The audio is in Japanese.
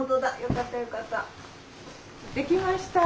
できました。